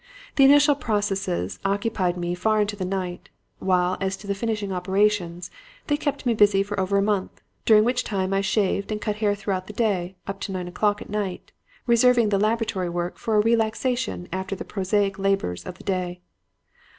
"The initial processes occupied me far into the night, while as to the finishing operations, they kept me busy for over a month; during which time I shaved and cut hair throughout the day up to nine o'clock at night, reserving the laboratory work for a relaxation after the prosaic labors of the day.